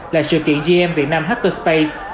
là sự kiện gm việt nam hackerspace